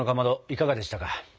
いかがでしたか？